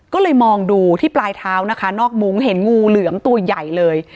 ก็เลยมองดูที่ปลายเท้านะคะนอกมุ้งเห็นงูเหลือมตัวใหญ่เลย